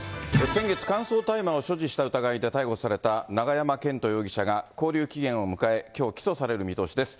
先月、乾燥大麻を所持した疑いで逮捕された永山絢斗容疑者が、勾留期限を迎え、きょう、起訴される見通しです。